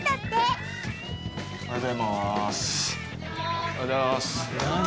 おはようございます。